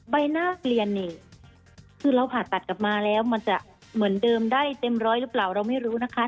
ใบหน้าเกลียนนี่คือเราผ่าตัดกลับมาแล้วมันจะเหมือนเดิมได้เต็มร้อยหรือเปล่าเราไม่รู้นะคะ